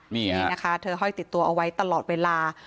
นี่นะคะเธอห้อยติดตัวเอาไว้ตลอดเวลา